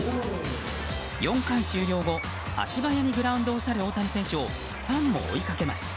４回終了後、足早にグラウンドを去る大谷選手をファンも追いかけます。